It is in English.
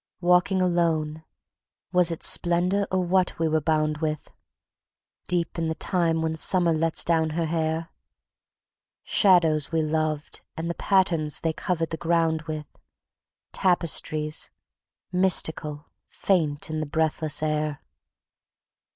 Walking alone... was it splendor, or what, we were bound with, Deep in the time when summer lets down her hair? Shadows we loved and the patterns they covered the ground with Tapestries, mystical, faint in the breathless air.